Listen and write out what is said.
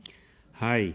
はい。